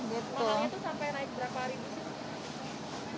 mahalnya tuh sampai naik berapa ribu